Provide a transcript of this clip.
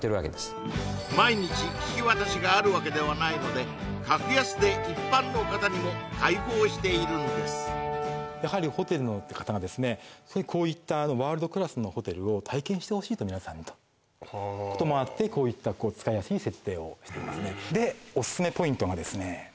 毎日引き渡しがあるわけではないので格安で一般の方にも開放しているんですやはりホテルの方がですねこういったワールドクラスのホテルを体験してほしいと皆さんにとはあこともあってこういったこう使いやすい設定をしていますねでオススメポイントがですね